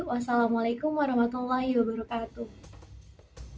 wassalamualaikum warahmatullahi wabarakatuh